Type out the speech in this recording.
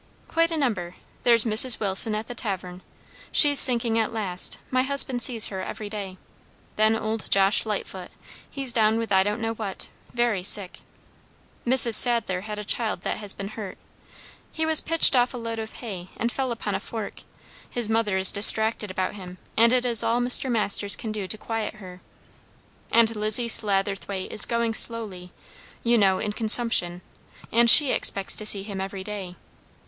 "Quite a number. There's Mrs. Wilson at the tavern; she's sinking at last; my husband sees her every day. Then old Josh Lightfoot he's down with I don't know what; very sick. Mrs. Saddler has a child that has been hurt; he was pitched off a load of hay and fell upon a fork; his mother is distracted about him, and it is all Mr. Masters can do to quiet her. And Lizzie Satterthwaite is going slowly, you know, in consumption, and she expects to see him every day.